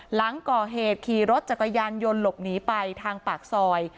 หลังก่อเหตุขี่รถจักรยานยนต์หลบหนีไปทางปากซอย